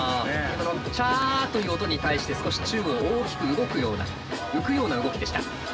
この「チャー」という音に対して少し宙を大きく動くような浮くような動きでした。